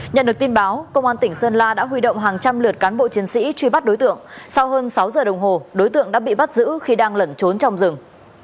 nhận được tin báo công an tỉnh sơn la đã huy động hàng trăm lượt cán bộ chiến sĩ truy bắt đối tượng sau hơn sáu giờ đồng hồ đối tượng đã bị bắt giữ khi đang lẩn trốn trong rừng